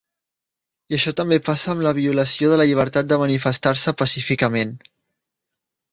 I això també passa amb la violació de la llibertat de manifestar-se pacíficament.